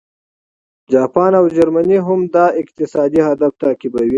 جاپان او جرمني هم دا اقتصادي هدف تعقیبوي